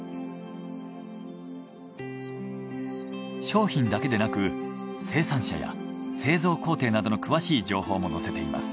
商品だけでなく生産者や製造工程などの詳しい情報も載せています。